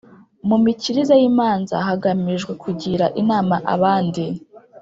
mu mikirize y’imanza hagamijwe kugira inama abandi